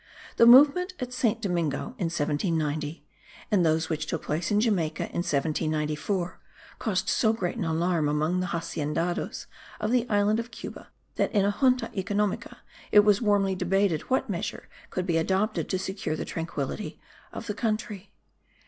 The movement at Saint Domingo in 1790 and those which took place in Jamaica in 1794 caused so great an alarm among the haciendados of the island of Cuba that in a Junta economica it was warmly debated what measure could be adopted to secure the tranquillity of the country.